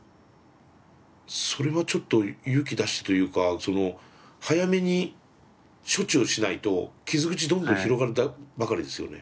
それはちょっと勇気出してというか早めに処置をしないと傷口どんどん広がるばかりですよね。